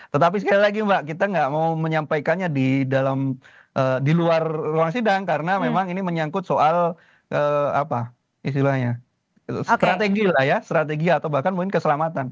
tetapi sekali lagi mbak kita gak mau menyampaikannya di luar ruang sidang karena memang ini menyangkut soal strategi atau bahkan mungkin keselamatan